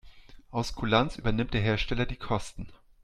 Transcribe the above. Aus Kulanz übernimmt der Hersteller die Kosten.